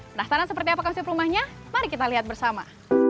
penasaran seperti apa konsep rumahnya mari kita lihat bersama